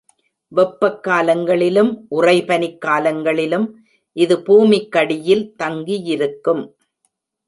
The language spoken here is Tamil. வெப்பக் காலங்களிலும் உறைபனிக் காலங்களிலும் இது பூமிக்கடியில் தங்கியிருக்கும்.